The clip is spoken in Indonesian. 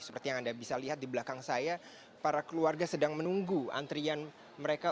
seperti yang anda bisa lihat di belakang saya para keluarga sedang menunggu antrian mereka